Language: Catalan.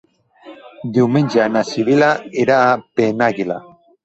Diumenge na Sibil·la irà a Penàguila.